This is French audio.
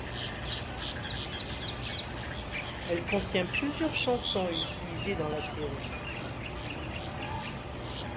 Elle contient plusieurs chansons utilisées dans la série.